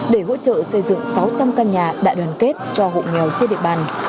để hỗ trợ xây dựng sáu trăm linh căn nhà đại đoàn kết cho hộ nghèo trên địa bàn